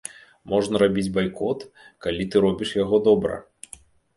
Можна рабіць байкот, калі ты робіш яго добра.